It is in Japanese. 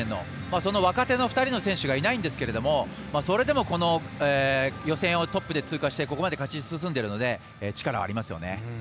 その若手の２人の選手がいないんですがそれでも予選をトップで通過してここまで勝ち進んでるので力はありますよね。